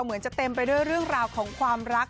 เหมือนจะเต็มไปด้วยเรื่องราวของความรัก